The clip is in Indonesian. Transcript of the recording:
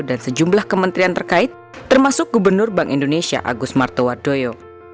dan sejumlah kementerian terkait termasuk gubernur bank indonesia agus martowardoyo